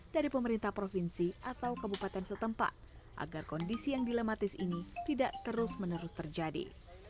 dari pemerintah provinsi atau kabupaten setempat agar kondisi yang dilematis ini tidak terus menerus terjadi